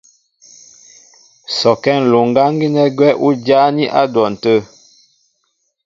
Sɔkɛ́ ǹluŋgáŋ gínɛ́ gwɛ́ ú jáání á dwɔn tə̂.